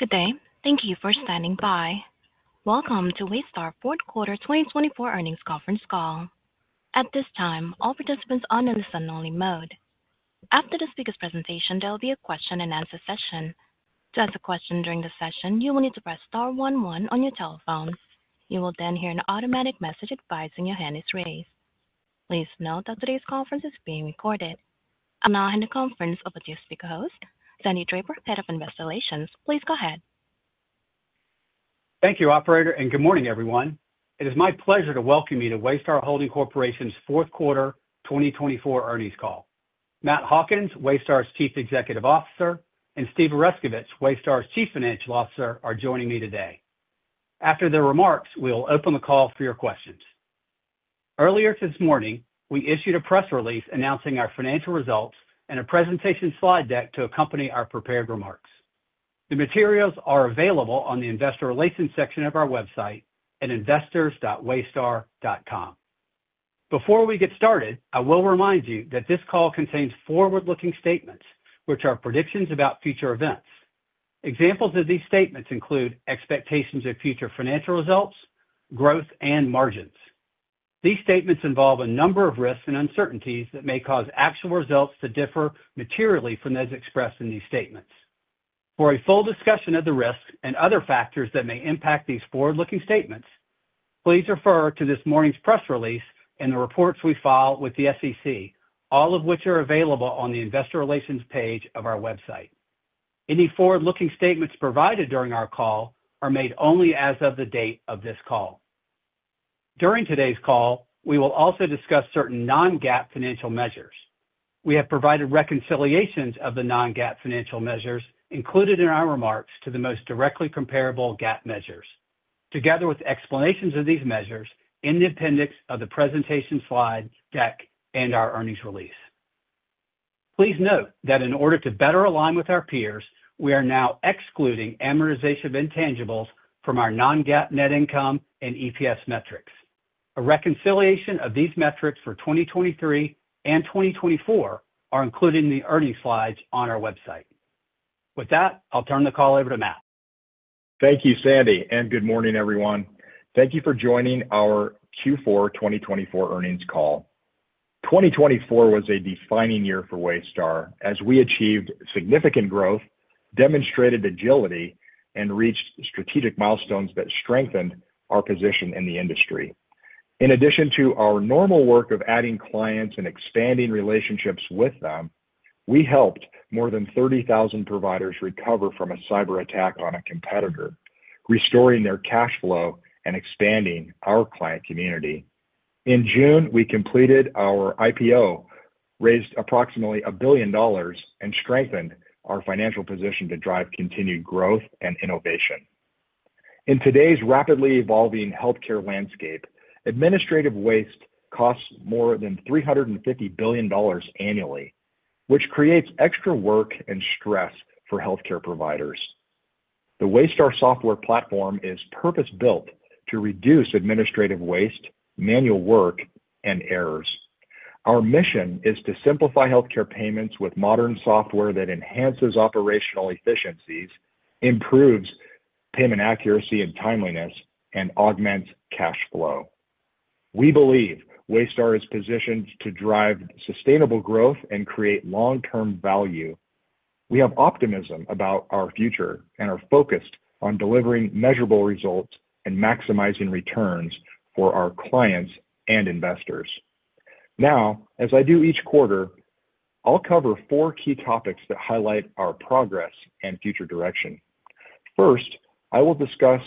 Good day, thank you for standing by. Welcome to Waystar Fourth Quarter 2024 Earnings Conference Call. At this time, all participants are on the listen-only mode. After the speaker's presentation, there will be a question-and-answer session. To ask a question during the session, you will need to press star one one on your telephone. You will then hear an automatic message advising your hand is raised. Please note that today's conference is being recorded. I'll now hand the conference over to your speaker host, Sandy Draper, Head of Investor Relations. Please go ahead. Thank you, Operator, and good morning, everyone. It is my pleasure to welcome you to Waystar Holding Corporation's Fourth Quarter 2024 Earnings Call. Matt Hawkins, Waystar's Chief Executive Officer, and Steve Oreskovich, Waystar's Chief Financial Officer, are joining me today. After their remarks, we'll open the call for your questions. Earlier this morning, we issued a press release announcing our financial results and a presentation slide deck to accompany our prepared remarks. The materials are available on the Investor Relations section of our website at investors.waystar.com. Before we get started, I will remind you that this call contains forward-looking statements, which are predictions about future events. Examples of these statements include expectations of future financial results, growth, and margins. These statements involve a number of risks and uncertainties that may cause actual results to differ materially from those expressed in these statements. For a full discussion of the risks and other factors that may impact these forward-looking statements, please refer to this morning's press release and the reports we file with the SEC, all of which are available on the Investor Relations page of our website. Any forward-looking statements provided during our call are made only as of the date of this call. During today's call, we will also discuss certain non-GAAP financial measures. We have provided reconciliations of the non-GAAP financial measures included in our remarks to the most directly comparable GAAP measures, together with explanations of these measures in the appendix of the presentation slide deck and our earnings release. Please note that in order to better align with our peers, we are now excluding amortization of intangibles from our non-GAAP net income and EPS metrics. A reconciliation of these metrics for 2023 and 2024 is included in the earnings slides on our website. With that, I'll turn the call over to Matt. Thank you, Sandy, and good morning, everyone. Thank you for joining our Q4 2024 Earnings Call. 2024 was a defining year for Waystar, as we achieved significant growth, demonstrated agility, and reached strategic milestones that strengthened our position in the industry. In addition to our normal work of adding clients and expanding relationships with them, we helped more than 30,000 providers recover from a cyber attack on a competitor, restoring their cash flow and expanding our client community. In June, we completed our IPO, raised approximately $1 billion, and strengthened our financial position to drive continued growth and innovation. In today's rapidly evolving healthcare landscape, administrative waste costs more than $350 billion annually, which creates extra work and stress for healthcare providers. The Waystar software platform is purpose-built to reduce administrative waste, manual work, and errors. Our mission is to simplify healthcare payments with modern software that enhances operational efficiencies, improves payment accuracy and timeliness, and augments cash flow. We believe Waystar is positioned to drive sustainable growth and create long-term value. We have optimism about our future and are focused on delivering measurable results and maximizing returns for our clients and investors. Now, as I do each quarter, I'll cover four key topics that highlight our progress and future direction. First, I will discuss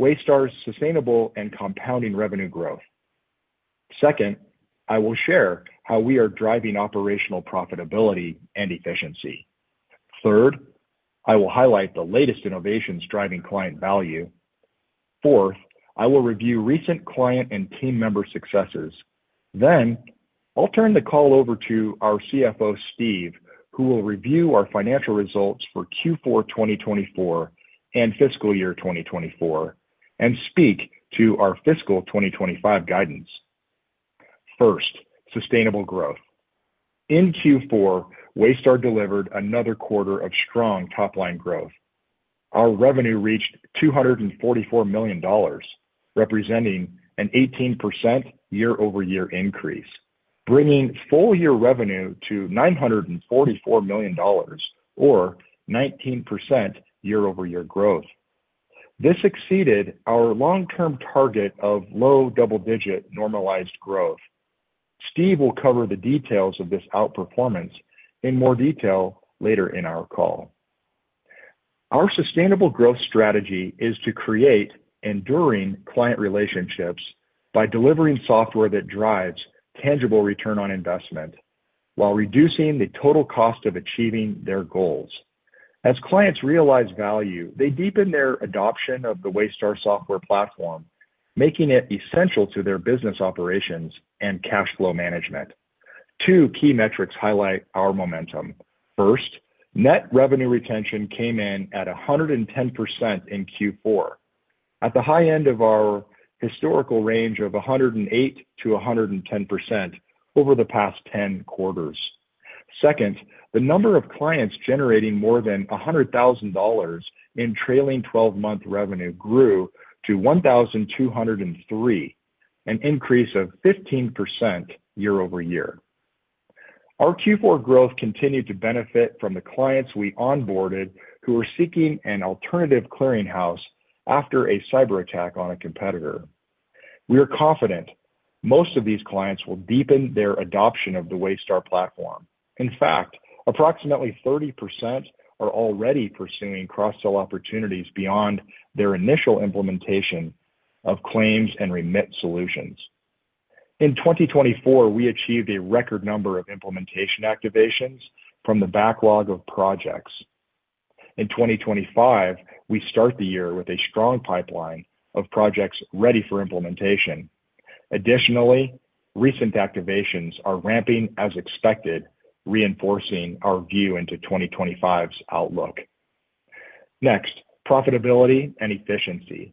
Waystar's sustainable and compounding revenue growth. Second, I will share how we are driving operational profitability and efficiency. Third, I will highlight the latest innovations driving client value. Fourth, I will review recent client and team member successes. Then, I'll turn the call over to our CFO, Steve, who will review our financial results for Q4 2024 and fiscal year 2024 and speak to our fiscal 2025 guidance. First, sustainable growth. In Q4, Waystar delivered another quarter of strong top-line growth. Our revenue reached $244 million, representing an 18% year-over-year increase, bringing full-year revenue to $944 million, or 19% year-over-year growth. This exceeded our long-term target of low double-digit normalized growth. Steve will cover the details of this outperformance in more detail later in our call. Our sustainable growth strategy is to create enduring client relationships by delivering software that drives tangible return on investment while reducing the total cost of achieving their goals. As clients realize value, they deepen their adoption of the Waystar software platform, making it essential to their business operations and cash flow management. Two key metrics highlight our momentum. First, Net Revenue Retention came in at 110% in Q4, at the high end of our historical range of 108%-110% over the past 10 quarters. Second, the number of clients generating more than $100,000 in trailing 12-month revenue grew to 1,203, an increase of 15% year-over-year. Our Q4 growth continued to benefit from the clients we onboarded who were seeking an alternative clearinghouse after a cyber attack on a competitor. We are confident most of these clients will deepen their adoption of the Waystar platform. In fact, approximately 30% are already pursuing cross-sell opportunities beyond their initial implementation of claims and remit solutions. In 2024, we achieved a record number of implementation activations from the backlog of projects. In 2025, we start the year with a strong pipeline of projects ready for implementation. Additionally, recent activations are ramping as expected, reinforcing our view into 2025's outlook. Next, profitability and efficiency.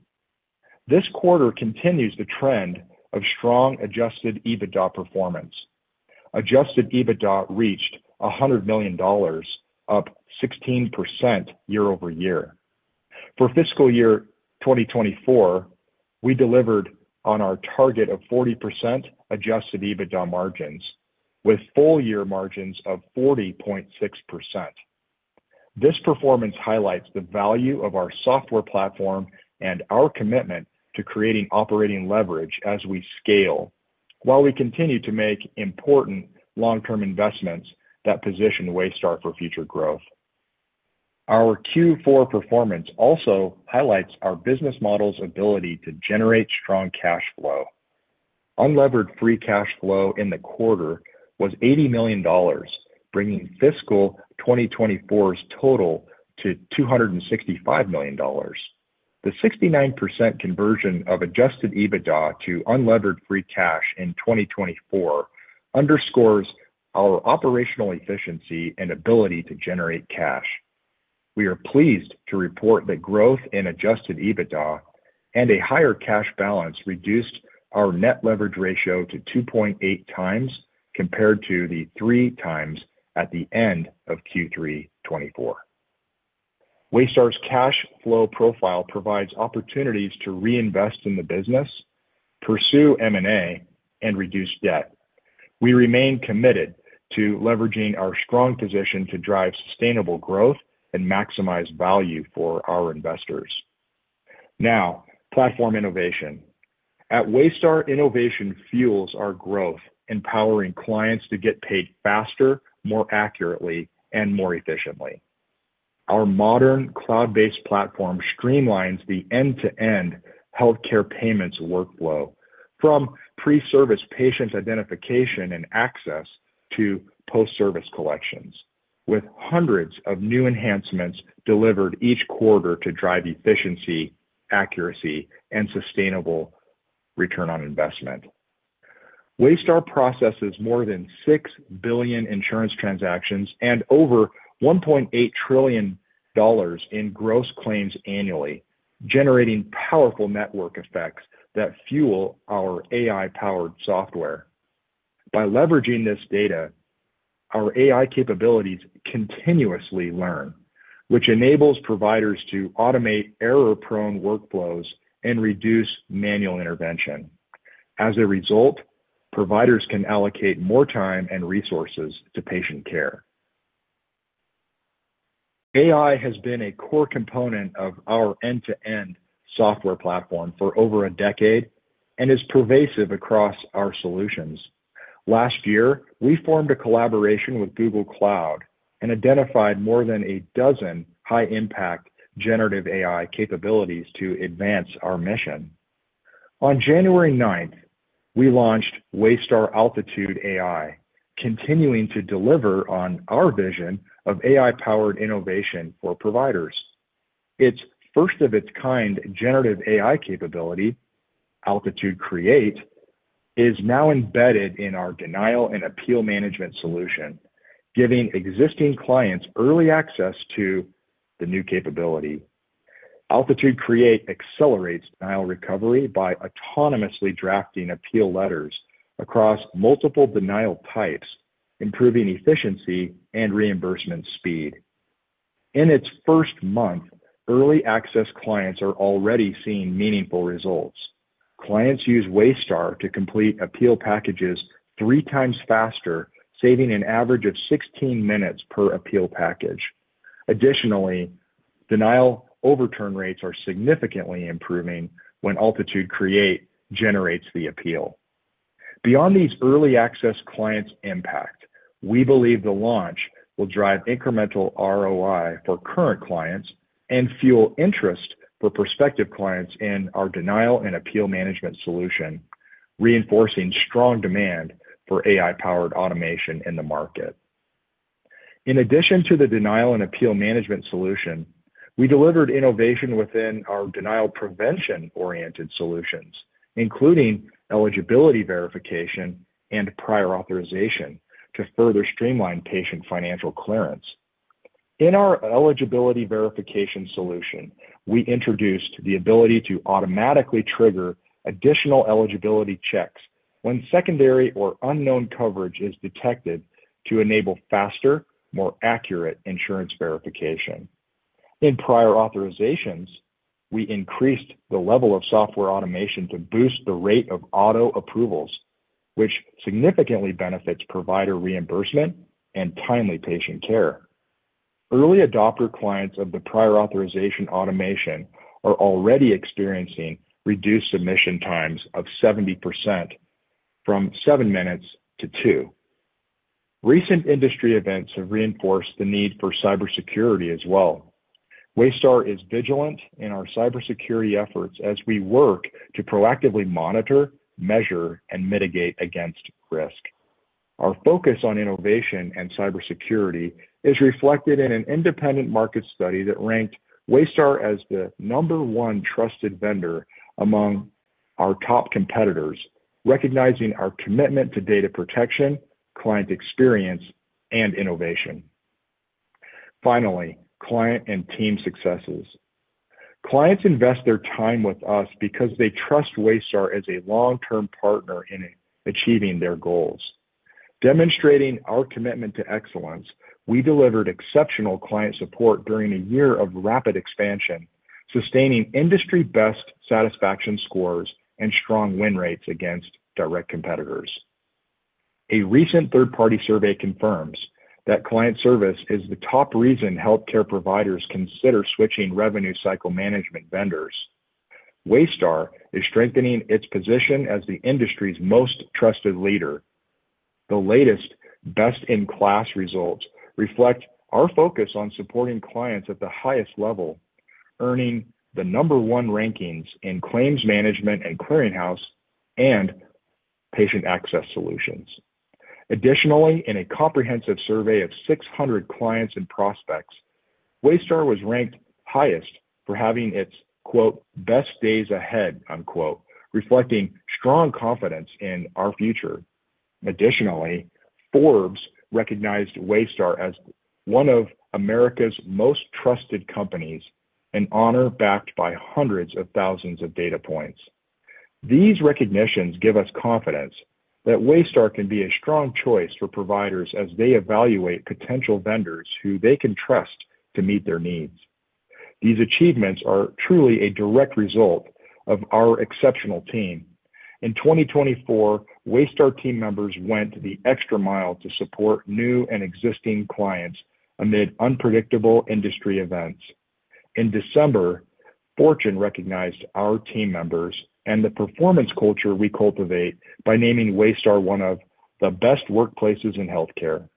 This quarter continues the trend of strong Adjusted EBITDA performance. Adjusted EBITDA reached $100 million, up 16% year-over-year. For fiscal year 2024, we delivered on our target of 40% Adjusted EBITDA margins, with full-year margins of 40.6%. This performance highlights the value of our software platform and our commitment to creating operating leverage as we scale, while we continue to make important long-term investments that position Waystar for future growth. Our Q4 performance also highlights our business model's ability to generate strong cash flow. Unlevered Free Cash Flow in the quarter was $80 million, bringing fiscal 2024's total to $265 million. The 69% conversion of Adjusted EBITDA to Unlevered Free Cash in 2024 underscores our operational efficiency and ability to generate cash. We are pleased to report that growth in Adjusted EBITDA and a higher cash balance reduced our Net Leverage Ratio to 2.8x compared to the 3x at the end of Q3 2024. Waystar's cash flow profile provides opportunities to reinvest in the business, pursue M&A, and reduce debt. We remain committed to leveraging our strong position to drive sustainable growth and maximize value for our investors. Now, platform innovation. At Waystar, innovation fuels our growth, empowering clients to get paid faster, more accurately, and more efficiently. Our modern cloud-based platform streamlines the end-to-end healthcare payments workflow, from pre-service patient identification and access to post-service collections, with hundreds of new enhancements delivered each quarter to drive efficiency, accuracy, and sustainable return on investment. Waystar processes more than six billion insurance transactions and over $1.8 trillion in gross claims annually, generating powerful network effects that fuel our AI-powered software. By leveraging this data, our AI capabilities continuously learn, which enables providers to automate error-prone workflows and reduce manual intervention. As a result, providers can allocate more time and resources to patient care. AI has been a core component of our end-to-end software platform for over a decade and is pervasive across our solutions. Last year, we formed a collaboration with Google Cloud and identified more than a dozen high-impact generative AI capabilities to advance our mission. On January 9, we launched Waystar Altitude AI, continuing to deliver on our vision of AI-powered innovation for providers. Its first-of-its-kind generative AI capability, Altitude Create, is now embedded in our denial and appeal management solution, giving existing clients early access to the new capability. Altitude Create accelerates denial recovery by autonomously drafting appeal letters across multiple denial types, improving efficiency and reimbursement speed. In its first month, early access clients are already seeing meaningful results. Clients use Waystar to complete appeal packages three times faster, saving an average of 16 minutes per appeal package. Additionally, denial overturn rates are significantly improving when Altitude Create generates the appeal. Beyond these early access clients' impact, we believe the launch will drive incremental ROI for current clients and fuel interest for prospective clients in our denial and appeal management solution, reinforcing strong demand for AI-powered automation in the market. In addition to the denial and appeal management solution, we delivered innovation within our denial prevention-oriented solutions, including eligibility verification and prior authorization, to further streamline patient financial clearance. In our eligibility verification solution, we introduced the ability to automatically trigger additional eligibility checks when secondary or unknown coverage is detected to enable faster, more accurate insurance verification. In prior authorizations, we increased the level of software automation to boost the rate of auto approvals, which significantly benefits provider reimbursement and timely patient care. Early adopter clients of the prior authorization automation are already experiencing reduced submission times of 70%, from seven minutes to two. Recent industry events have reinforced the need for cybersecurity as well. Waystar is vigilant in our cybersecurity efforts as we work to proactively monitor, measure, and mitigate against risk. Our focus on innovation and cybersecurity is reflected in an independent market study that ranked Waystar as the number one trusted vendor among our top competitors, recognizing our commitment to data protection, client experience, and innovation. Finally, client and team successes. Clients invest their time with us because they trust Waystar as a long-term partner in achieving their goals. Demonstrating our commitment to excellence, we delivered exceptional client support during a year of rapid expansion, sustaining industry-best satisfaction scores and strong win rates against direct competitors. A recent third-party survey confirms that client service is the top reason healthcare providers consider switching revenue cycle management vendors. Waystar is strengthening its position as the industry's most trusted leader. The latest best-in-class results reflect our focus on supporting clients at the highest level, earning the number one rankings in claims management and clearinghouse and patient access solutions. Additionally, in a comprehensive survey of 600 clients and prospects, Waystar was ranked highest for having its "best days ahead," reflecting strong confidence in our future. Additionally, Forbes recognized Waystar as one of America's Most Trusted Companies, an honor backed by hundreds of thousands of data points. These recognitions give us confidence that Waystar can be a strong choice for providers as they evaluate potential vendors who they can trust to meet their needs. These achievements are truly a direct result of our exceptional team. In 2024, Waystar team members went the extra mile to support new and existing clients amid unpredictable industry events. In December, Fortune recognized our team members and the performance culture we cultivate by naming Waystar one of the Best Workplaces in Health Care,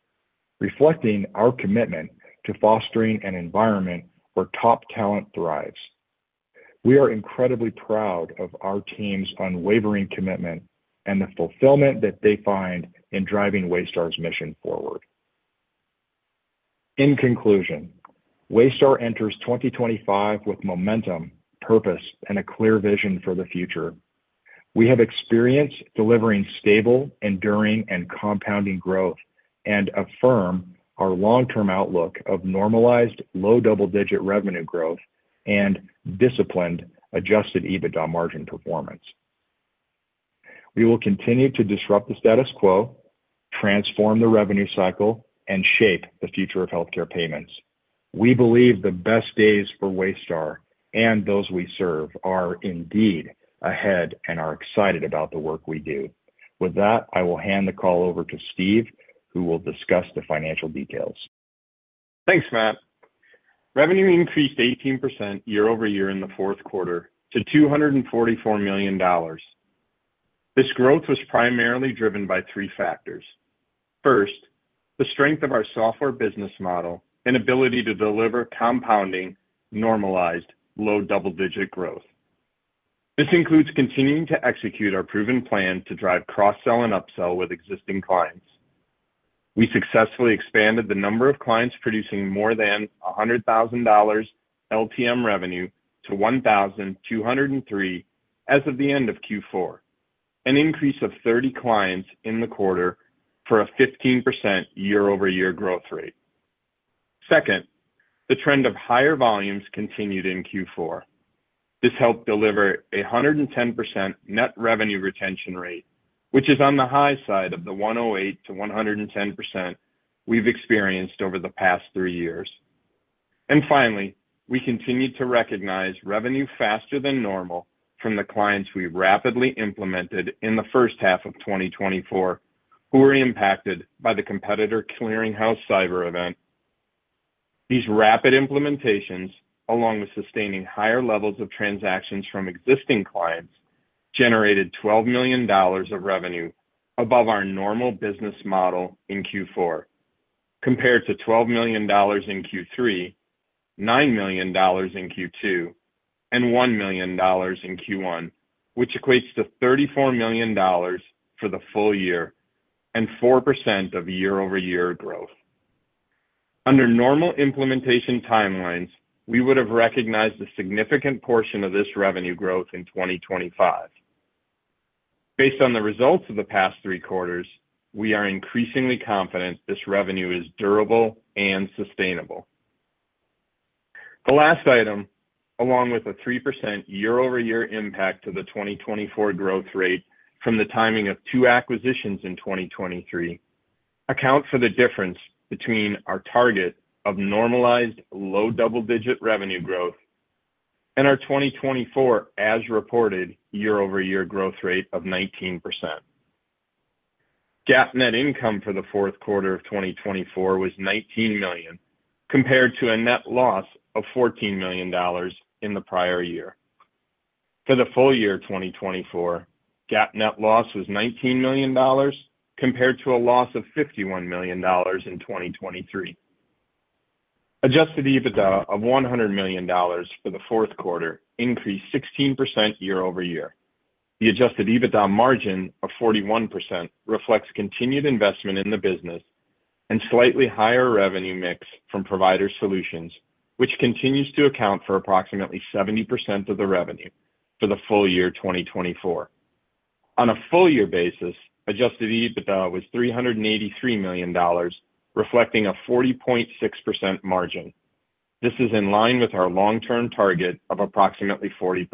reflecting our commitment to fostering an environment where top talent thrives. We are incredibly proud of our team's unwavering commitment and the fulfillment that they find in driving Waystar's mission forward. In conclusion, Waystar enters 2025 with momentum, purpose, and a clear vision for the future. We have experience delivering stable, enduring, and compounding growth and affirm our long-term outlook of normalized low double-digit revenue growth and disciplined Adjusted EBITDA margin performance. We will continue to disrupt the status quo, transform the revenue cycle, and shape the future of healthcare payments. We believe the best days for Waystar and those we serve are indeed ahead and are excited about the work we do. With that, I will hand the call over to Steve, who will discuss the financial details. Thanks, Matt. Revenue increased 18% year-over-year in the fourth quarter to $244 million. This growth was primarily driven by three factors. First, the strength of our software business model and ability to deliver compounding, normalized, low double-digit growth. This includes continuing to execute our proven plan to drive cross-sell and upsell with existing clients. We successfully expanded the number of clients producing more than $100,000 LTM revenue to 1,203 as of the end of Q4, an increase of 30 clients in the quarter for a 15% year-over-year growth rate. Second, the trend of higher volumes continued in Q4. This helped deliver a 110% Net Revenue Retention Rate, which is on the high side of the 108%-110% we've experienced over the past three years. And finally, we continued to recognize revenue faster than normal from the clients we rapidly implemented in the first half of 2024, who were impacted by the competitor clearinghouse cyber event. These rapid implementations, along with sustaining higher levels of transactions from existing clients, generated $12 million of revenue above our normal business model in Q4, compared to $12 million in Q3, $9 million in Q2, and $1 million in Q1, which equates to $34 million for the full year and 4% of year-over-year growth. Under normal implementation timelines, we would have recognized a significant portion of this revenue growth in 2025. Based on the results of the past three quarters, we are increasingly confident this revenue is durable and sustainable. The last item, along with a 3% year-over-year impact to the 2024 growth rate from the timing of two acquisitions in 2023, accounts for the difference between our target of normalized low double-digit revenue growth and our 2024, as reported, year-over-year growth rate of 19%. GAAP net income for the fourth quarter of 2024 was $19 million, compared to a net loss of $14 million in the prior year. For the full year 2024, GAAP net loss was $19 million, compared to a loss of $51 million in 2023. Adjusted EBITDA of $100 million for the fourth quarter increased 16% year-over-year. The Adjusted EBITDA margin of 41% reflects continued investment in the business and slightly higher revenue mix from provider solutions, which continues to account for approximately 70% of the revenue for the full year 2024. On a full-year basis, Adjusted EBITDA was $383 million, reflecting a 40.6% margin. This is in line with our long-term target of approximately 40%.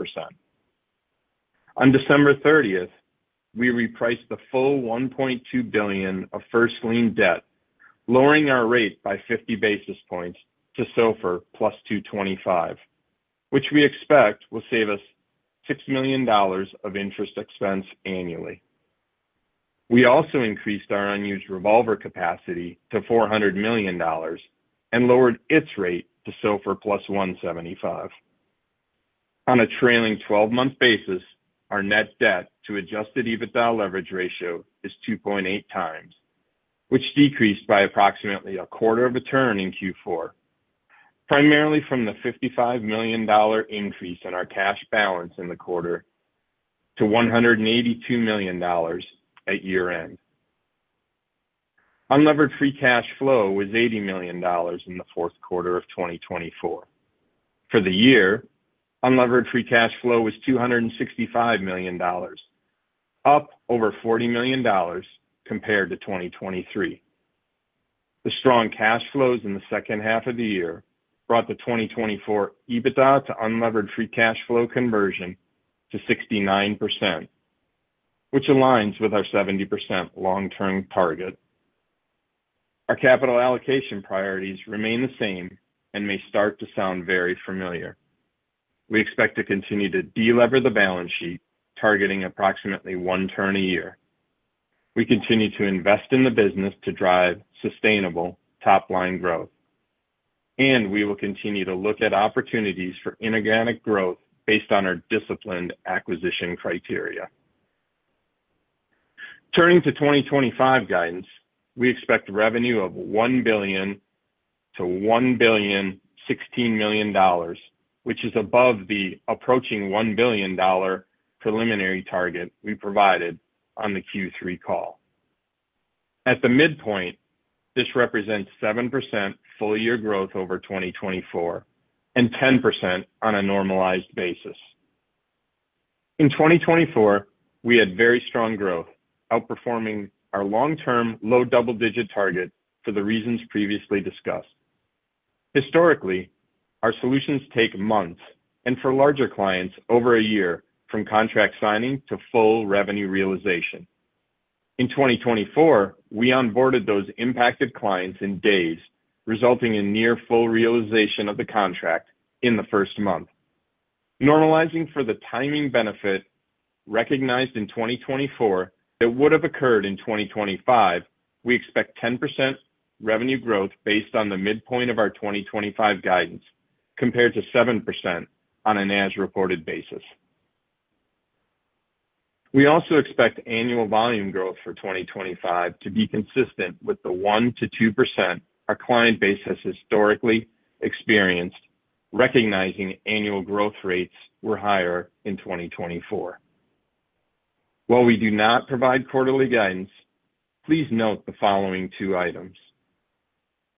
On December 30, we repriced the full $1.2 billion of first lien debt, lowering our rate by 50 basis points to SOFR +225, which we expect will save us $6 million of interest expense annually. We also increased our unused revolver capacity to $400 million and lowered its rate to SOFR +175. On a trailing 12-month basis, our net debt to Adjusted EBITDA Leverage Ratio is 2.8x, which decreased by approximately a 1/4 of a turn in Q4, primarily from the $55 million increase in our cash balance in the quarter to $182 million at year-end. Unlevered Free Cash Flow was $80 million in the fourth quarter of 2024. For the year, Unlevered Free Cash Flow was $265 million, up over $40 million compared to 2023. The strong cash flows in the second half of the year brought the 2024 EBITDA to Unlevered Free Cash Flow conversion to 69%, which aligns with our 70% long-term target. Our capital allocation priorities remain the same and may start to sound very familiar. We expect to continue to delever the balance sheet, targeting approximately one turn a year. We continue to invest in the business to drive sustainable top-line growth, and we will continue to look at opportunities for inorganic growth based on our disciplined acquisition criteria. Turning to 2025 guidance, we expect revenue of $1 billion-$1.016 billion, which is above the approaching $1 billion preliminary target we provided on the Q3 call. At the midpoint, this represents 7% full-year growth over 2024 and 10% on a normalized basis. In 2024, we had very strong growth, outperforming our long-term low double-digit target for the reasons previously discussed. Historically, our solutions take months, and for larger clients, over a year from contract signing to full revenue realization. In 2024, we onboarded those impacted clients in days, resulting in near full realization of the contract in the first month. Normalizing for the timing benefit recognized in 2024 that would have occurred in 2025, we expect 10% revenue growth based on the midpoint of our 2025 guidance, compared to 7% on an as-reported basis. We also expect annual volume growth for 2025 to be consistent with the 1%-2% our client base has historically experienced, recognizing annual growth rates were higher in 2024. While we do not provide quarterly guidance, please note the following two items.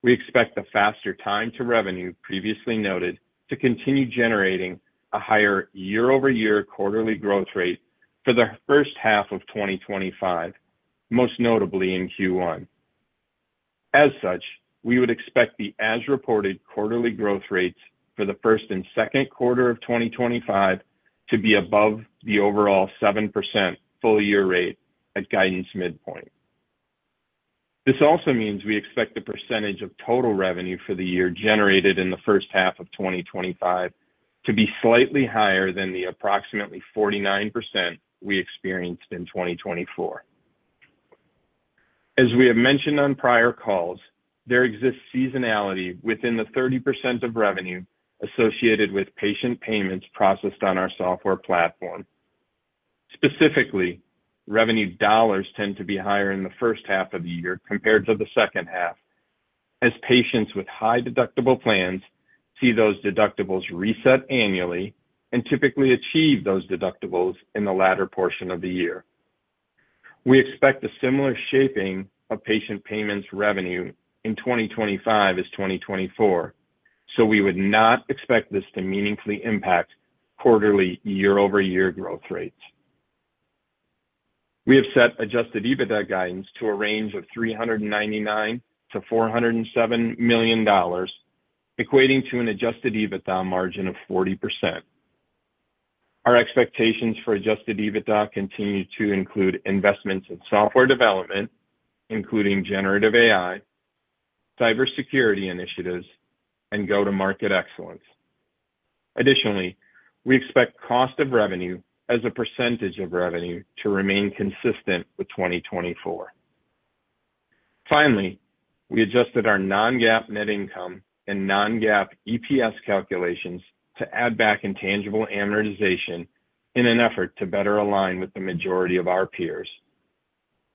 We expect the faster time to revenue previously noted to continue generating a higher year-over-year quarterly growth rate for the first half of 2025, most notably in Q1. As such, we would expect the as-reported quarterly growth rates for the first and second quarter of 2025 to be above the overall 7% full-year rate at guidance midpoint. This also means we expect the percentage of total revenue for the year generated in the first half of 2025 to be slightly higher than the approximately 49% we experienced in 2024. As we have mentioned on prior calls, there exists seasonality within the 30% of revenue associated with patient payments processed on our software platform. Specifically, revenue dollars tend to be higher in the first half of the year compared to the second half, as patients with high deductible plans see those deductibles reset annually and typically achieve those deductibles in the latter portion of the year. We expect a similar shaping of patient payments revenue in 2025 as 2024, so we would not expect this to meaningfully impact quarterly year-over-year growth rates. We have set Adjusted EBITDA guidance to a range of $399million-$407 million, equating to an Adjusted EBITDA margin of 40%. Our expectations for Adjusted EBITDA continue to include investments in software development, including generative AI, cybersecurity initiatives, and go-to-market excellence. Additionally, we expect cost of revenue as a percentage of revenue to remain consistent with 2024. Finally, we adjusted our non-GAAP net income and non-GAAP EPS calculations to add back intangible amortization in an effort to better align with the majority of our peers.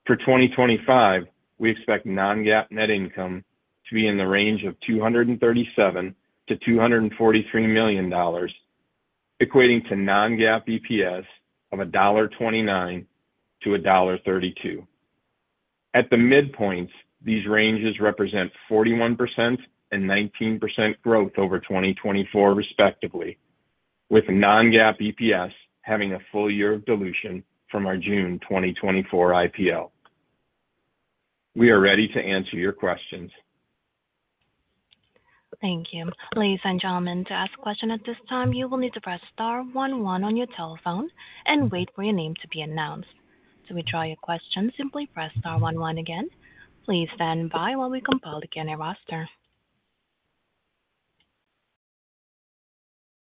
For 2025, we expect non-GAAP net income to be in the range of $237million-$243 million, equating to non-GAAP EPS of $1.29-$1.32. At the midpoints, these ranges represent 41% and 19% growth over 2024, respectively, with non-GAAP EPS having a full year of dilution from our June 2024 IPO. We are ready to answer your questions. Thank you. Ladies and gentlemen, to ask a question at this time, you will need to press star one one on your telephone and wait for your name to be announced. To withdraw your question, simply press star one one again. Please stand by while we compile the question roster.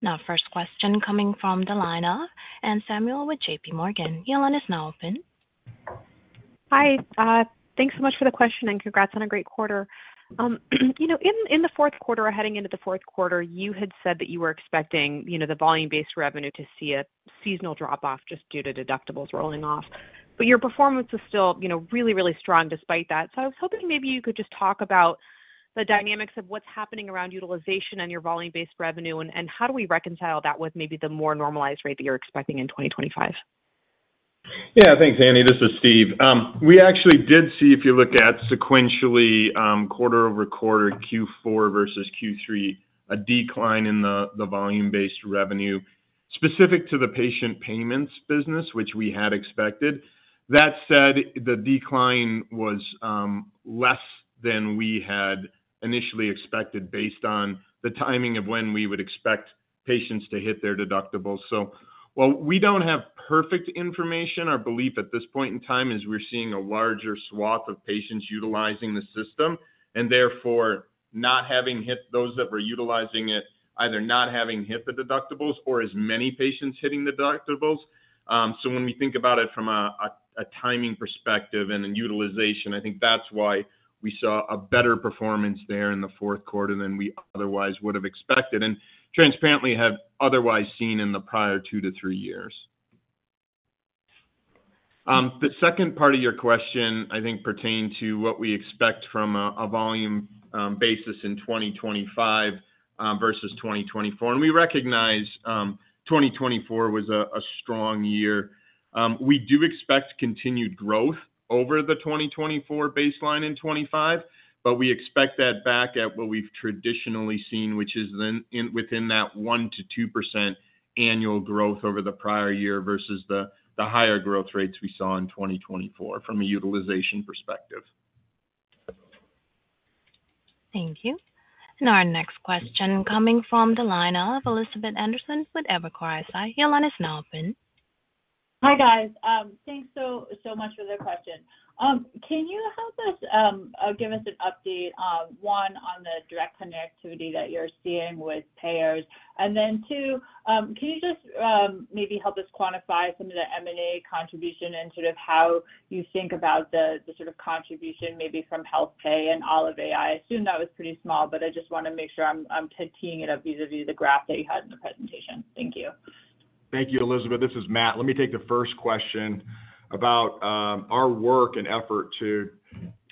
Now, first question coming from Anne Samuel with JPMorgan. Your line is now open. Hi. Thanks so much for the question and congrats on a great quarter. In the fourth quarter, or heading into the fourth quarter, you had said that you were expecting the volume-based revenue to see a seasonal drop-off just due to deductibles rolling off. But your performance was still really, really strong despite that. So I was hoping maybe you could just talk about the dynamics of what's happening around utilization and your volume-based revenue, and how do we reconcile that with maybe the more normalized rate that you're expecting in 2025? Yeah. Thanks, Annie. This is Steve. We actually did see, if you look at sequentially quarter-over-quarter, Q4 versus Q3, a decline in the volume-based revenue specific to the patient payments business, which we had expected. That said, the decline was less than we had initially expected based on the timing of when we would expect patients to hit their deductibles. So while we don't have perfect information, our belief at this point in time is we're seeing a larger swath of patients utilizing the system and therefore not having hit those that were utilizing it, either not having hit the deductibles or as many patients hitting the deductibles. So when we think about it from a timing perspective and utilization, I think that's why we saw a better performance there in the fourth quarter than we otherwise would have expected and transparently have otherwise seen in the prior two to three years. The second part of your question, I think, pertained to what we expect from a volume basis in 2025 versus 2024, and we recognize 2024 was a strong year. We do expect continued growth over the 2024 baseline in 2025, but we expect that back at what we've traditionally seen, which is within that 1%-2% annual growth over the prior year versus the higher growth rates we saw in 2024 from a utilization perspective. Thank you. Our next question coming from the line of Elizabeth Anderson with Evercore ISI. Your line is now open. Hi, guys. Thanks so much for the question. Can you give us an update, one, on the direct connectivity that you're seeing with payers? And then, two, can you just maybe help us quantify some of the M&A contribution and sort of how you think about the sort of contribution maybe from HealthPay24 and Olive AI? I assume that was pretty small, but I just want to make sure I'm teeing it up vis-à-vis the graph that you had in the presentation. Thank you. Thank you, Elizabeth. This is Matt. Let me take the first question about our work and effort to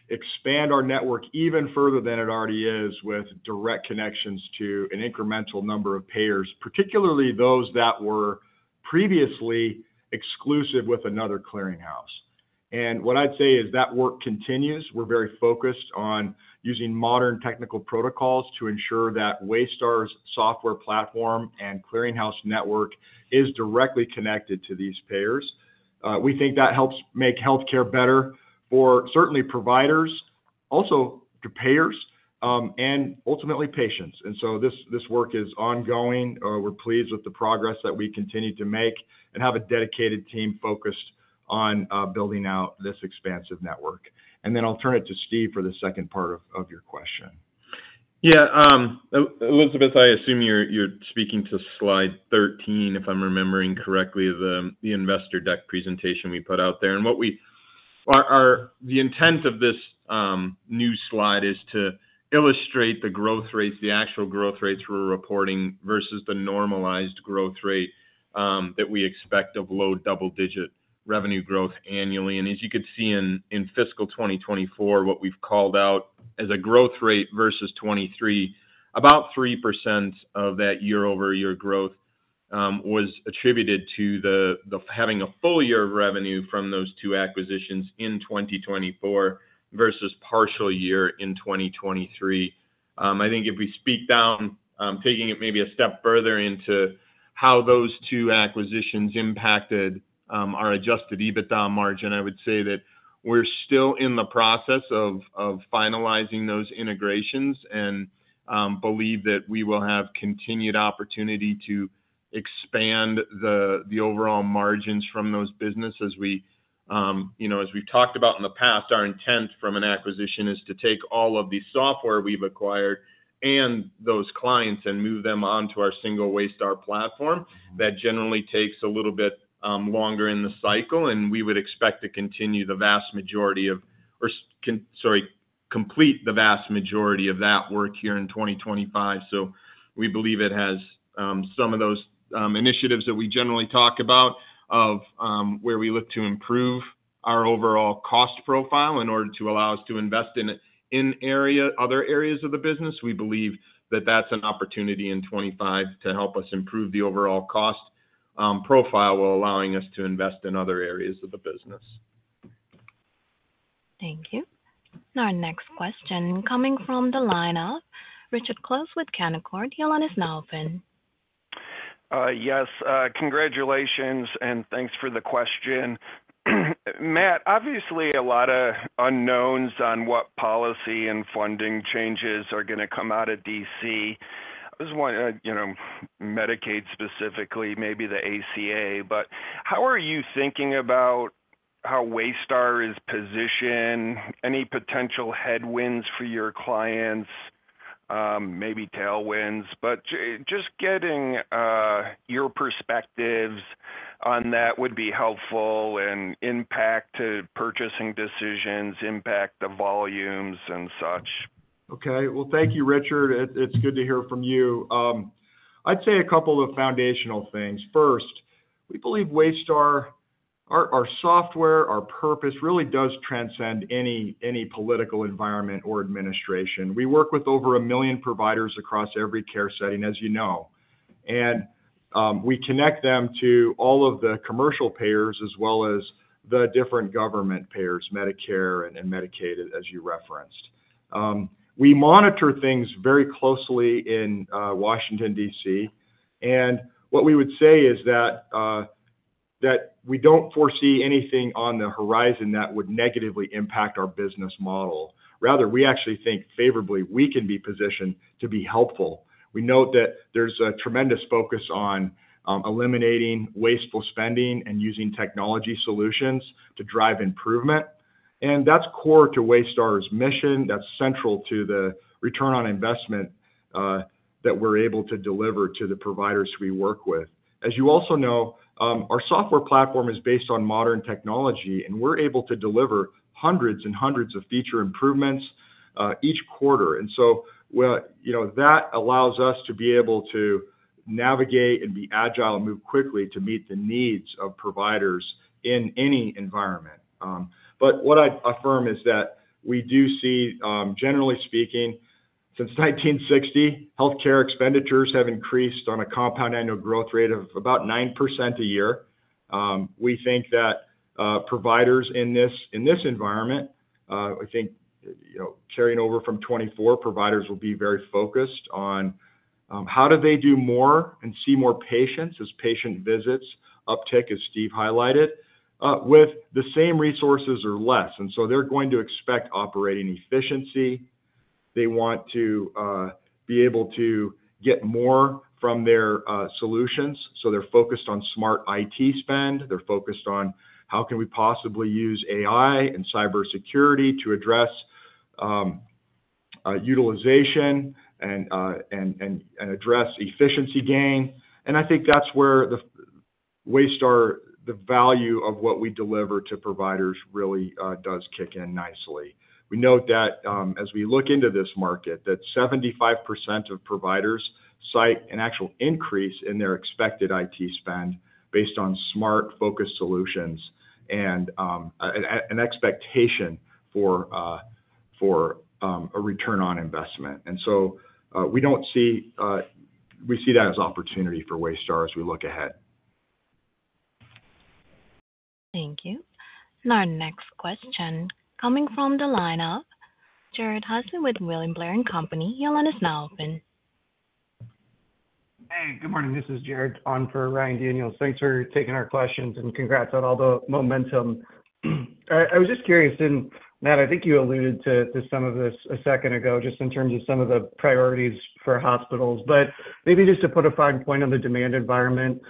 expand our network even further than it already is with direct connections to an incremental number of payers, particularly those that were previously exclusive with another clearinghouse, and what I'd say is that work continues. We're very focused on using modern technical protocols to ensure that Waystar's software platform and clearinghouse network is directly connected to these payers. We think that helps make healthcare better for certainly providers, also to payers, and ultimately patients, and so this work is ongoing. We're pleased with the progress that we continue to make and have a dedicated team focused on building out this expansive network. And then I'll turn it to Steve for the second part of your question. Yeah. Elizabeth, I assume you're speaking to slide 13, if I'm remembering correctly, the investor deck presentation we put out there. And the intent of this new slide is to illustrate the growth rates, the actual growth rates we're reporting versus the normalized growth rate that we expect of low double-digit revenue growth annually. And as you could see in fiscal 2024, what we've called out as a growth rate versus 2023, about 3% of that year-over-year growth was attributed to having a full year of revenue from those two acquisitions in 2024 versus partial year in 2023. I think if we drill down, taking it maybe a step further into how those two acquisitions impacted our Adjusted EBITDA margin, I would say that we're still in the process of finalizing those integrations and believe that we will have continued opportunity to expand the overall margins from those businesses. As we've talked about in the past, our intent from an acquisition is to take all of the software we've acquired and those clients and move them on to our single Waystar platform. That generally takes a little bit longer in the cycle, and we would expect to continue the vast majority of, or sorry, complete the vast majority of that work here in 2025. We believe it has some of those initiatives that we generally talk about of where we look to improve our overall cost profile in order to allow us to invest in other areas of the business. We believe that that's an opportunity in 2025 to help us improve the overall cost profile while allowing us to invest in other areas of the business. Thank you. And our next question coming from the line of Richard Close with Canaccord. The line is now open. Yes. Congratulations, and thanks for the question. Matt, obviously a lot of unknowns on what policy and funding changes are going to come out of D.C. I was wondering, Medicaid specifically, maybe the ACA, but how are you thinking about how Waystar is positioned? Any potential headwinds for your clients, maybe tailwinds? But just getting your perspectives on that would be helpful and impact purchasing decisions, impact the volumes and such. Okay. Well, thank you, Richard. It's good to hear from you. I'd say a couple of foundational things. First, we believe Waystar, our software, our purpose really does transcend any political environment or administration. We work with over a million providers across every care setting, as you know, and we connect them to all of the commercial payers as well as the different government payers, Medicare and Medicaid, as you referenced. We monitor things very closely in Washington, D.C., and what we would say is that we don't foresee anything on the horizon that would negatively impact our business model. Rather, we actually think favorably we can be positioned to be helpful. We note that there's a tremendous focus on eliminating wasteful spending and using technology solutions to drive improvement. That's core to Waystar's mission. That's central to the return on investment that we're able to deliver to the providers we work with. As you also know, our software platform is based on modern technology, and we're able to deliver hundreds and hundreds of feature improvements each quarter. So that allows us to be able to navigate and be agile and move quickly to meet the needs of providers in any environment. But what I'd affirm is that we do see, generally speaking, since 1960, healthcare expenditures have increased on a compound annual growth rate of about 9% a year. We think that providers in this environment, I think carrying over from 2024, providers will be very focused on how do they do more and see more patients as patient visits uptick, as Steve highlighted, with the same resources or less. And so they're going to expect operating efficiency. They want to be able to get more from their solutions. So they're focused on smart IT spend. They're focused on how can we possibly use AI and cybersecurity to address utilization and address efficiency gain. And I think that's where Waystar, the value of what we deliver to providers really does kick in nicely. We note that as we look into this market, that 75% of providers cite an actual increase in their expected IT spend based on smart-focused solutions and an expectation for a return on investment. And so we see that as opportunity for Waystar as we look ahead. Thank you. And our next question coming from the line of Jared Haase with William Blair & Company. The line is now open. Hey. Good morning. This is Jared on for Ryan Daniels. Thanks for taking our questions and congrats on all the momentum. I was just curious, and Matt, I think you alluded to some of this a second ago just in terms of some of the priorities for hospitals. But maybe just to put a fine point on the demand environment,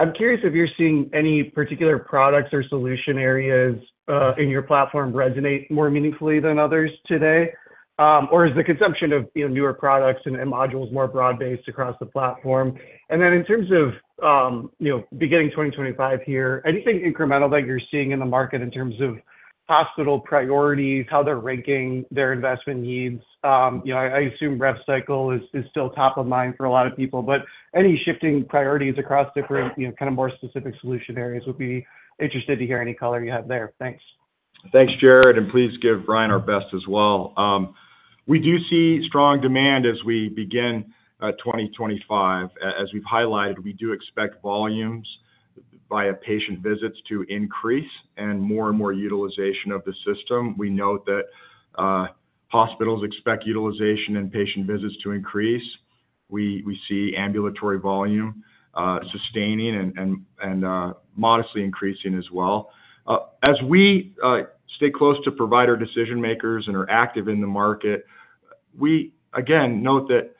I'm curious if you're seeing any particular products or solution areas in your platform resonate more meaningfully than others today, or is the consumption of newer products and modules more broad-based across the platform? And then in terms of beginning 2025 here, anything incremental that you're seeing in the market in terms of hospital priorities, how they're ranking their investment needs? I assume rev cycle is still top of mind for a lot of people, but any shifting priorities across different kind of more specific solution areas would be interested to hear any color you have there. Thanks. Thanks, Jared. And please give Ryan our best as well. We do see strong demand as we begin 2025. As we've highlighted, we do expect volumes by patient visits to increase and more and more utilization of the system. We note that hospitals expect utilization and patient visits to increase. We see ambulatory volume sustaining and modestly increasing as well. As we stay close to provider decision-makers and are active in the market, we, again, note that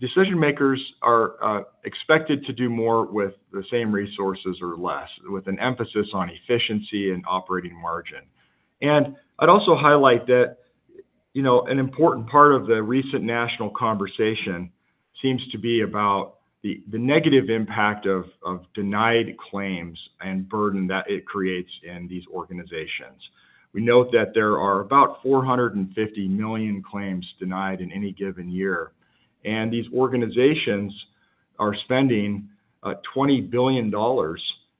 decision-makers are expected to do more with the same resources or less, with an emphasis on efficiency and operating margin. And I'd also highlight that an important part of the recent national conversation seems to be about the negative impact of denied claims and burden that it creates in these organizations. We note that there are about 450 million claims denied in any given year, and these organizations are spending $20 billion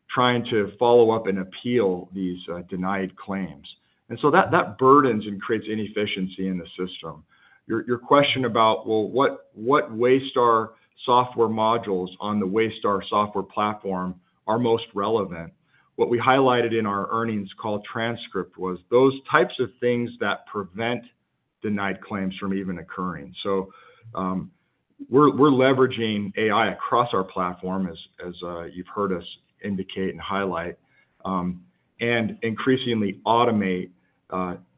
trying to follow up and appeal these denied claims, and so that burdens and creates inefficiency in the system. Your question about, well, what Waystar software modules on the Waystar software platform are most relevant, what we highlighted in our earnings call transcript was those types of things that prevent denied claims from even occurring, so we're leveraging AI across our platform, as you've heard us indicate and highlight, and increasingly automate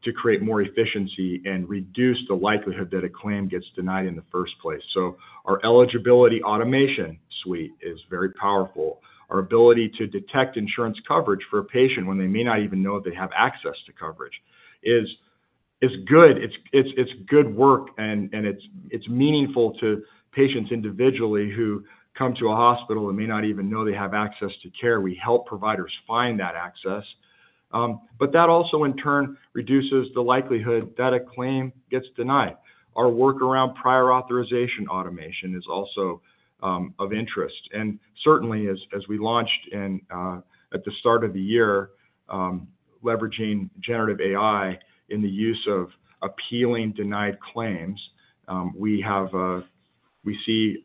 to create more efficiency and reduce the likelihood that a claim gets denied in the first place, so our eligibility automation suite is very powerful. Our ability to detect insurance coverage for a patient when they may not even know they have access to coverage is good. It's good work, and it's meaningful to patients individually who come to a hospital and may not even know they have access to care. We help providers find that access. But that also, in turn, reduces the likelihood that a claim gets denied. Our work around prior authorization automation is also of interest. And certainly, as we launched at the start of the year, leveraging generative AI in the use of appealing denied claims, we see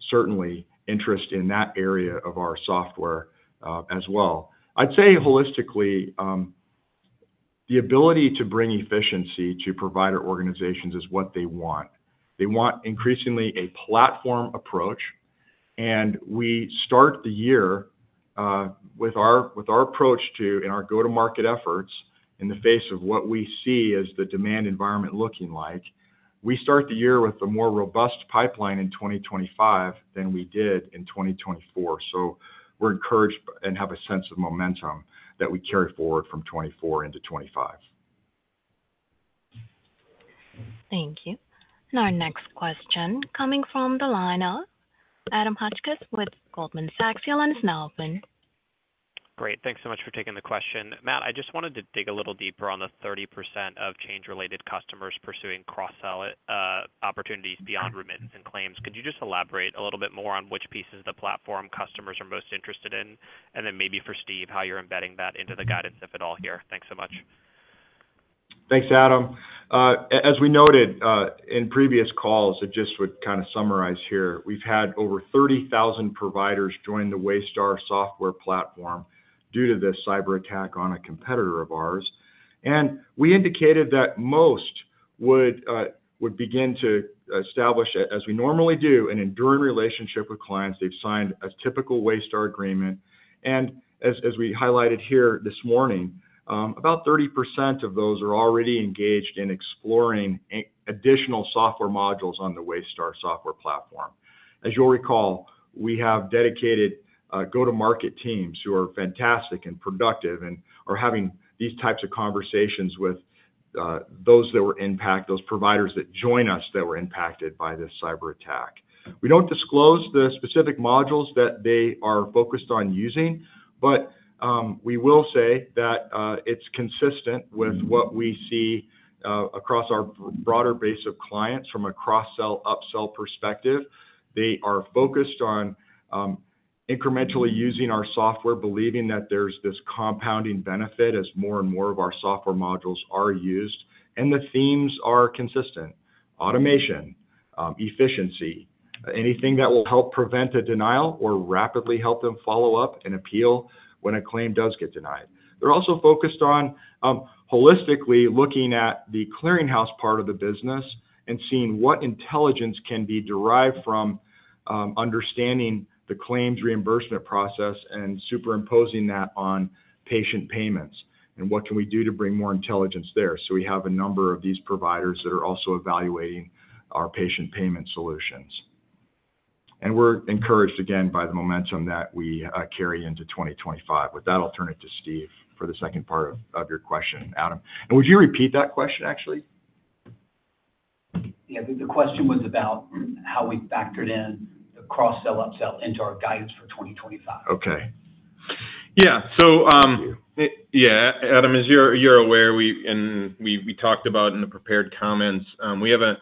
certainly interest in that area of our software as well. I'd say holistically, the ability to bring efficiency to provider organizations is what they want. They want increasingly a platform approach. In our go-to-market efforts in the face of what we see as the demand environment looking like, we start the year with a more robust pipeline in 2025 than we did in 2024. We're encouraged and have a sense of momentum that we carry forward from 2024 into 2025. Thank you. Our next question coming from the line of Adam Hotchkiss with Goldman Sachs. Your line is now open. Great. Thanks so much for taking the question. Matt, I just wanted to dig a little deeper on the 30% of Change-related customers pursuing cross-sell opportunities beyond remittance and claims. Could you just elaborate a little bit more on which pieces of the platform customers are most interested in? And then maybe for Steve, how you're embedding that into the guidance, if at all, here. Thanks so much. Thanks, Adam. As we noted in previous calls, I just would kind of summarize here. We've had over 30,000 providers join the Waystar software platform due to this cyber attack on a competitor of ours. We indicated that most would begin to establish, as we normally do, an enduring relationship with clients. They've signed a typical Waystar agreement. As we highlighted here this morning, about 30% of those are already engaged in exploring additional software modules on the Waystar software platform. As you'll recall, we have dedicated go-to-market teams who are fantastic and productive and are having these types of conversations with those that were impacted, those providers that join us that were impacted by this cyber attack. We don't disclose the specific modules that they are focused on using, but we will say that it's consistent with what we see across our broader base of clients from a cross-sell, upsell perspective. They are focused on incrementally using our software, believing that there's this compounding benefit as more and more of our software modules are used. And the themes are consistent: automation, efficiency, anything that will help prevent a denial or rapidly help them follow up and appeal when a claim does get denied. They're also focused on holistically looking at the clearinghouse part of the business and seeing what intelligence can be derived from understanding the claims reimbursement process and superimposing that on patient payments. And what can we do to bring more intelligence there? So we have a number of these providers that are also evaluating our patient payment solutions. And we're encouraged, again, by the momentum that we carry into 2025. With that, I'll turn it to Steve for the second part of your question, Adam. And would you repeat that question, actually? Yeah. The question was about how we factored in the cross-sell, upsell into our guidance for 2025. Okay. Yeah. So yeah, Adam, as you're aware, and we talked about in the prepared comments, we have a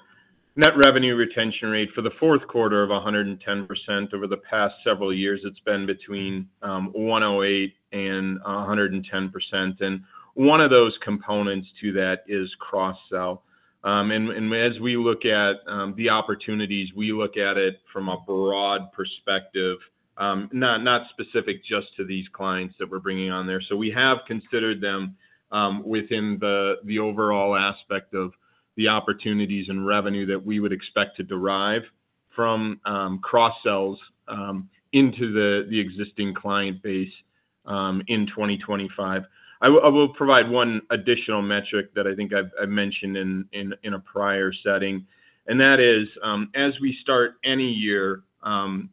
Net Revenue Retention Rate for the fourth quarter of 110%. Over the past several years, it's been between 108% and 110%. And one of those components to that is cross-sell. And as we look at the opportunities, we look at it from a broad perspective, not specific just to these clients that we're bringing on there. So we have considered them within the overall aspect of the opportunities and revenue that we would expect to derive from cross-sells into the existing client base in 2025. I will provide one additional metric that I think I've mentioned in a prior setting. And that is, as we start any year,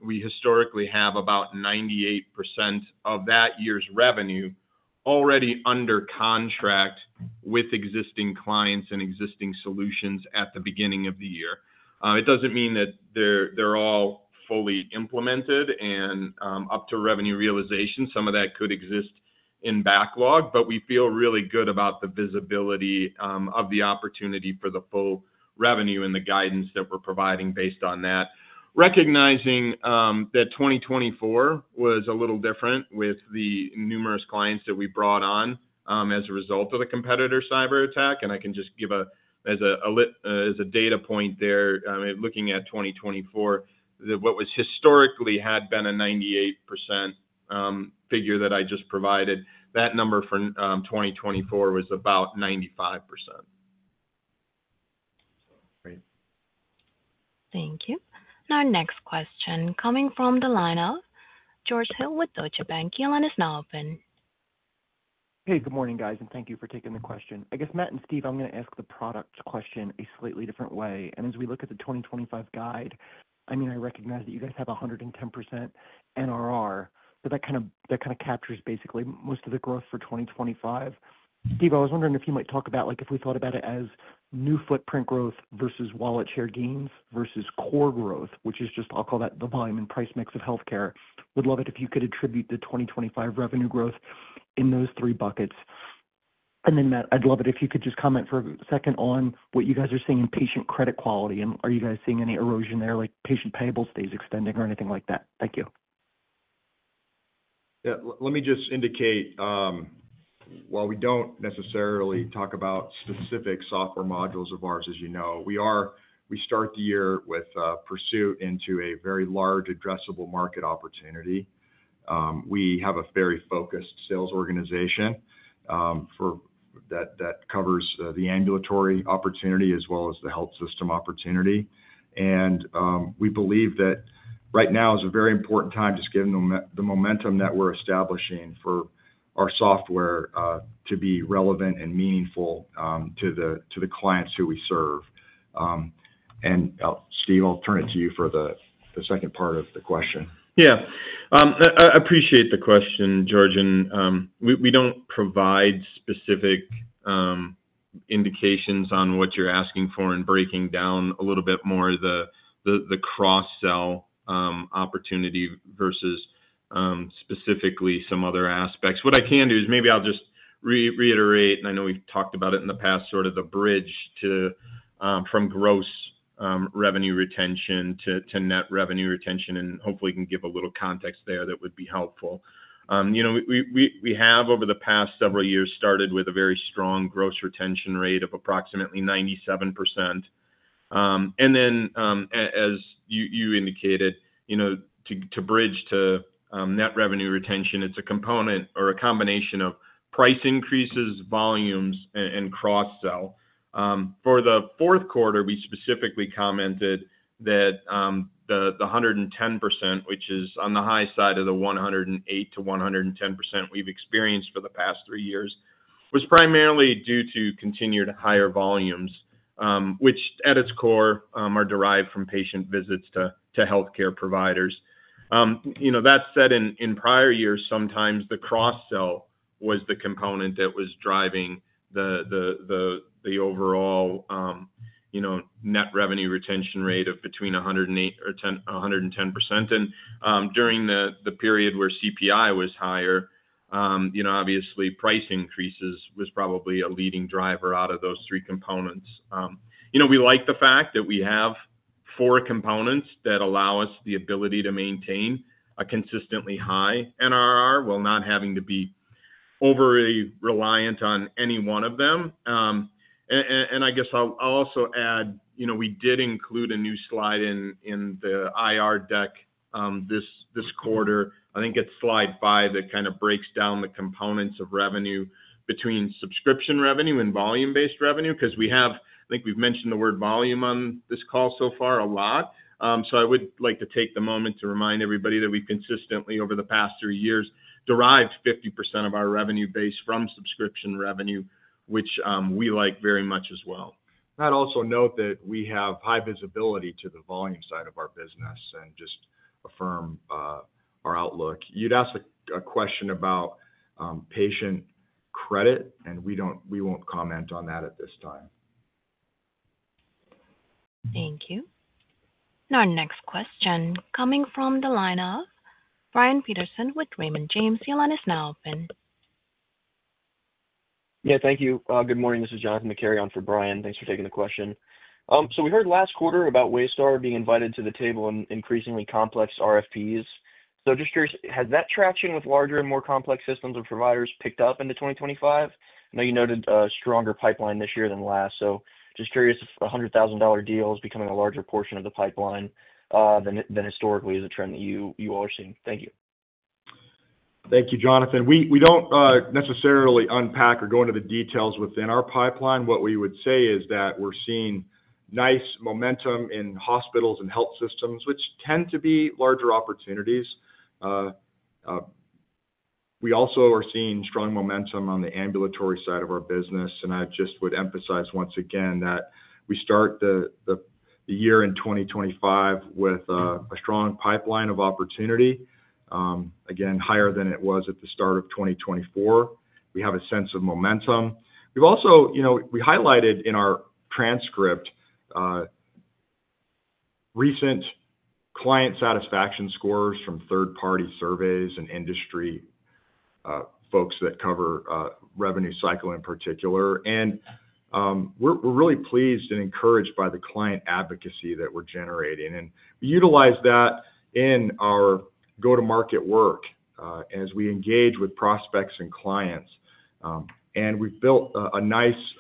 we historically have about 98% of that year's revenue already under contract with existing clients and existing solutions at the beginning of the year. It doesn't mean that they're all fully implemented and up to revenue realization. Some of that could exist in backlog, but we feel really good about the visibility of the opportunity for the full revenue and the guidance that we're providing based on that. Recognizing that 2024 was a little different with the numerous clients that we brought on as a result of the competitor cyber attack. And I can just give a, as a data point there, looking at 2024, that what was historically had been a 98% figure that I just provided. That number for 2024 was about 95%. Great. Thank you. And our next question coming from the line of George Hill with Deutsche Bank. The line is now open. Hey, good morning, guys. And thank you for taking the question. I guess, Matt and Steve, I'm going to ask the product question a slightly different way. And as we look at the 2025 guide, I mean, I recognize that you guys have 110% NRR. So that kind of captures basically most of the growth for 2025. Steve, I was wondering if you might talk about if we thought about it as new footprint growth versus wallet share gains versus core growth, which is just, I'll call that the volume and price mix of healthcare. Would love it if you could attribute the 2025 revenue growth in those three buckets. And then, Matt, I'd love it if you could just comment for a second on what you guys are seeing in patient credit quality. And are you guys seeing any erosion there, like patient payables days extending or anything like that? Thank you. Yeah. Let me just indicate, while we don't necessarily talk about specific software modules of ours, as you know, we start the year with a pursuit into a very large addressable market opportunity. We have a very focused sales organization that covers the ambulatory opportunity as well as the health system opportunity, and we believe that right now is a very important time just given the momentum that we're establishing for our software to be relevant and meaningful to the clients who we serve, and Steve, I'll turn it to you for the second part of the question. Yeah. I appreciate the question, George, and we don't provide specific indications on what you're asking for and breaking down a little bit more the cross-sell opportunity versus specifically some other aspects. What I can do is maybe I'll just reiterate, and I know we've talked about it in the past, sort of the bridge from Gross Revenue Retention to Net Revenue Retention, and hopefully can give a little context there that would be helpful. We have, over the past several years, started with a very strong gross retention rate of approximately 97%. And then, as you indicated, to bridge to Net Revenue Retention, it's a component or a combination of price increases, volumes, and cross-sell. For the fourth quarter, we specifically commented that the 110%, which is on the high side of the 108%-110% we've experienced for the past three years, was primarily due to continued higher volumes, which at its core are derived from patient visits to healthcare providers. That said, in prior years, sometimes the cross-sell was the component that was driving the overall Net Revenue Retention Rate of between 108% and 110%. And during the period where CPI was higher, obviously, price increases was probably a leading driver out of those three components. We like the fact that we have four components that allow us the ability to maintain a consistently high NRR while not having to be overly reliant on any one of them. And I guess I'll also add we did include a new slide in the IR deck this quarter. I think it's slide five that kind of breaks down the components of revenue between subscription revenue and volume-based revenue because we have, I think we've mentioned the word volume on this call so far a lot. So I would like to take a moment to remind everybody that we've consistently, over the past three years, derived 50% of our revenue base from subscription revenue, which we like very much as well. I'd also note that we have high visibility to the volume side of our business and just affirm our outlook. You'd asked a question about patient credit, and we won't comment on that at this time. Thank you. And our next question coming from the line of Brian Peterson with Raymond James. Your line is now open. Yeah. Thank you. Good morning. This is Jonathan McCary on for Brian. Thanks for taking the question. So we heard last quarter about Waystar being invited to the table in increasingly complex RFPs. So just curious, has that traction with larger and more complex systems of providers picked up into 2025? I know you noted a stronger pipeline this year than last. So just curious if a $100,000 deal is becoming a larger portion of the pipeline than historically is a trend that you all are seeing? Thank you. Thank you, Jonathan. We don't necessarily unpack or go into the details within our pipeline. What we would say is that we're seeing nice momentum in hospitals and health systems, which tend to be larger opportunities. We also are seeing strong momentum on the ambulatory side of our business. And I just would emphasize once again that we start the year in 2025 with a strong pipeline of opportunity, again, higher than it was at the start of 2024. We have a sense of momentum. We've also highlighted in our transcript recent client satisfaction scores from third-party surveys and industry folks that cover revenue cycle in particular. We're really pleased and encouraged by the client advocacy that we're generating. We utilize that in our go-to-market work as we engage with prospects and clients. We've built a nice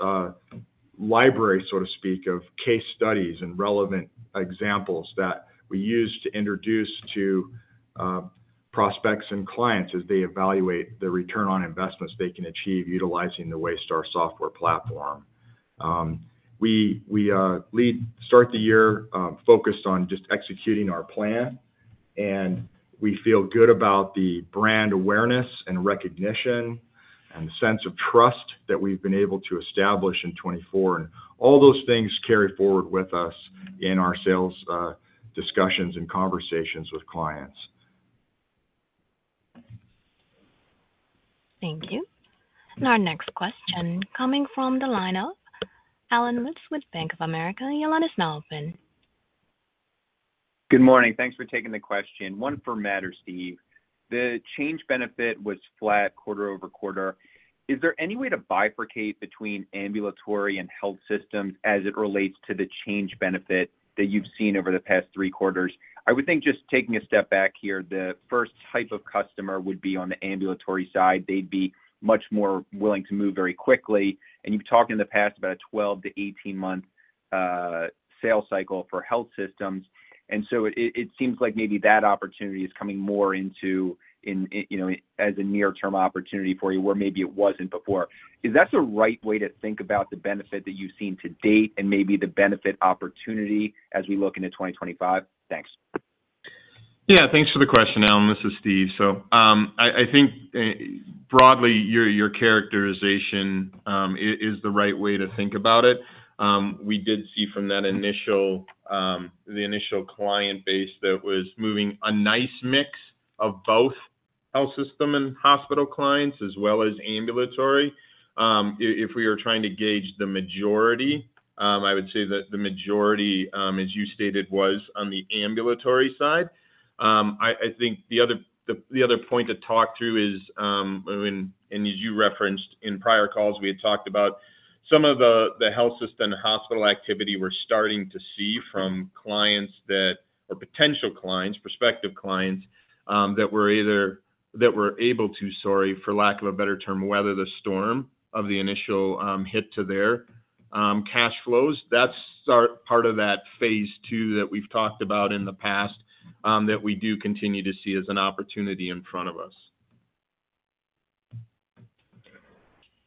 library, so to speak, of case studies and relevant examples that we use to introduce to prospects and clients as they evaluate the return on investments they can achieve utilizing the Waystar software platform. We start the year focused on just executing our plan. We feel good about the brand awareness and recognition and the sense of trust that we've been able to establish in 2024. All those things carry forward with us in our sales discussions and conversations with clients. Thank you. Our next question coming from Allen Lutz with Bank of America. Your line is now open. Good morning. Thanks for taking the question. One for Matt or Steve. The Change benefit was flat quarter-over-quarter. Is there any way to bifurcate between ambulatory and health systems as it relates to the Change benefit that you've seen over the past three quarters? I would think just taking a step back here, the first type of customer would be on the ambulatory side. They'd be much more willing to move very quickly, and you've talked in the past about a 12 to 18-month sales cycle for health systems, and so it seems like maybe that opportunity is coming more into as a near-term opportunity for you where maybe it wasn't before. Is that the right way to think about the benefit that you've seen to date and maybe the benefit opportunity as we look into 2025? Thanks. Yeah. Thanks for the question, Allen. This is Steve. So I think broadly, your characterization is the right way to think about it. We did see from the initial client base that was moving a nice mix of both health system and hospital clients as well as ambulatory. If we are trying to gauge the majority, I would say that the majority, as you stated, was on the ambulatory side. I think the other point to talk through is, and as you referenced in prior calls, we had talked about some of the health system and hospital activity we're starting to see from clients that are potential clients, prospective clients that were able to, sorry, for lack of a better term, weather the storm of the initial hit to their cash flows. That's part of that phase two that we've talked about in the past that we do continue to see as an opportunity in front of us.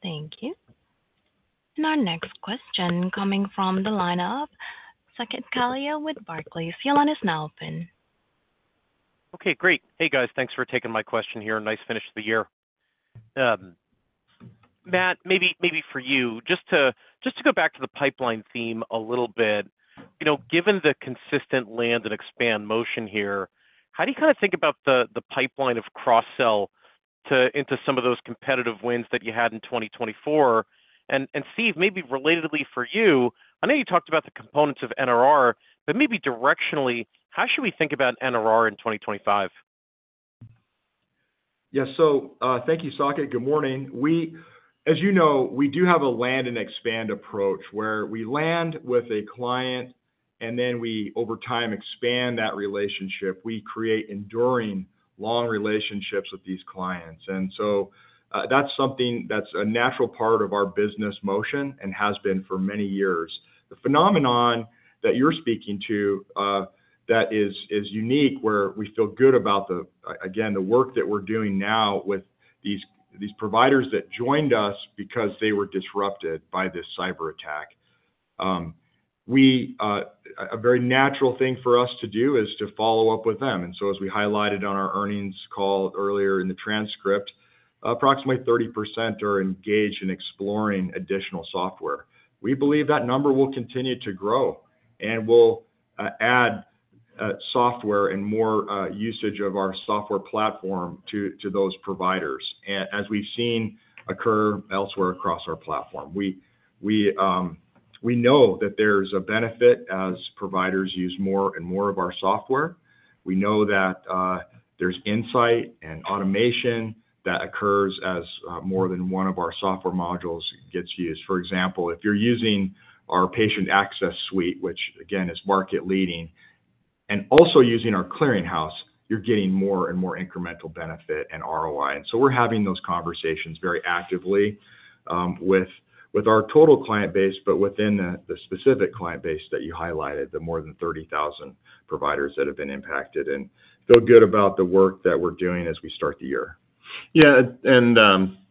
Thank you, and our next question coming from Saket Kalia with Barclays. Your line is now open. Okay. Great. Hey, guys. Thanks for taking my question here. Nice finish of the year. Matt, maybe for you, just to go back to the pipeline theme a little bit, given the consistent land and expand motion here, how do you kind of think about the pipeline of cross-sell into some of those competitive wins that you had in 2024? And Steve, maybe relatedly for you, I know you talked about the components of NRR, but maybe directionally, how should we think about NRR in 2025? Yeah. So thank you, Saket. Good morning. As you know, we do have a land and expand approach where we land with a client and then we, over time, expand that relationship. We create enduring long relationships with these clients. And so that's something that's a natural part of our business motion and has been for many years. The phenomenon that you're speaking to that is unique where we feel good about, again, the work that we're doing now with these providers that joined us because they were disrupted by this cyber attack. A very natural thing for us to do is to follow up with them. And so, as we highlighted on our earnings call earlier in the transcript, approximately 30% are engaged in exploring additional software. We believe that number will continue to grow and will add software and more usage of our software platform to those providers as we've seen occur elsewhere across our platform. We know that there's a benefit as providers use more and more of our software. We know that there's insight and automation that occurs as more than one of our software modules gets used. For example, if you're using our patient access suite, which, again, is market-leading, and also using our clearinghouse, you're getting more and more incremental benefit and ROI. And so we're having those conversations very actively with our total client base, but within the specific client base that you highlighted, the more than 30,000 providers that have been impacted. And feel good about the work that we're doing as we start the year. Yeah. And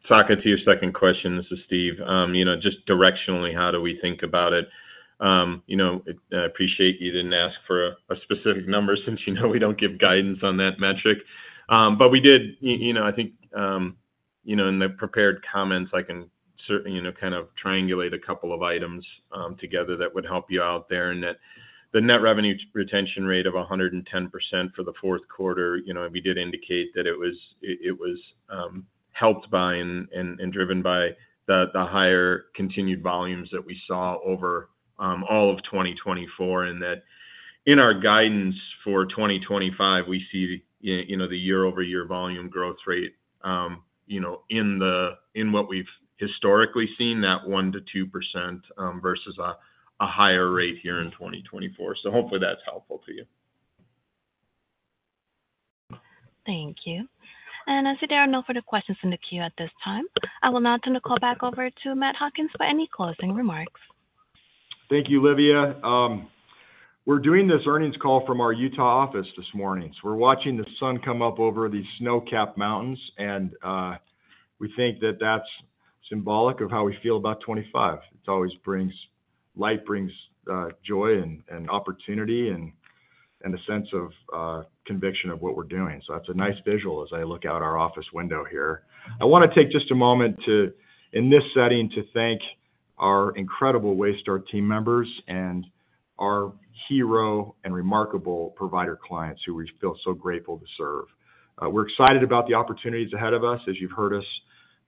Saket, to your second question, this is Steve. Just directionally, how do we think about it? I appreciate you didn't ask for a specific number since we don't give guidance on that metric. But we did, I think, in the prepared comments, I can kind of triangulate a couple of items together that would help you out there in Net Revenue Retention Rate of 110% for the fourth quarter, we did indicate that it was helped by and driven by the higher continued volumes that we saw over all of 2024. And that in our guidance for 2025, we see the year-over-year volume growth rate in what we've historically seen, that 1%-2% versus a higher rate here in 2024. So hopefully, that's helpful to you. Thank you. And I see there are no further questions in the queue at this time. I will now turn the call back over to Matt Hawkins for any closing remarks. Thank you, Livia. We're doing this earnings call from our Utah office this morning. We're watching the sun come up over the snow-capped mountains, and we think that that's symbolic of how we feel about 2025. It's always brings light, brings joy and opportunity and a sense of conviction of what we're doing. That's a nice visual as I look out our office window here. I want to take just a moment in this setting to thank our incredible Waystar team members and our hero and remarkable provider clients who we feel so grateful to serve. We're excited about the opportunities ahead of us. As you've heard us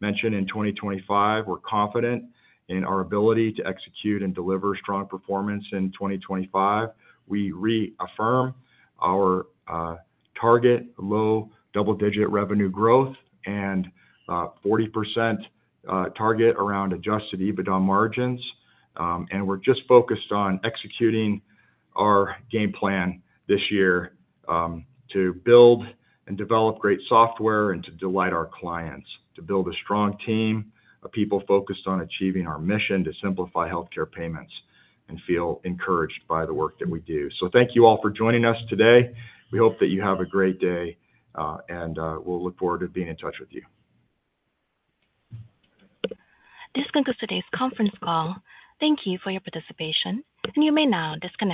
mention in 2025, we're confident in our ability to execute and deliver strong performance in 2025. We reaffirm our target low double-digit revenue growth and 40% target around Adjusted EBITDA margins. And we're just focused on executing our game plan this year to build and develop great software and to delight our clients, to build a strong team of people focused on achieving our mission to simplify healthcare payments and feel encouraged by the work that we do. So thank you all for joining us today. We hope that you have a great day, and we'll look forward to being in touch with you. This concludes today's conference call. Thank you for your participation, and you may now disconnect.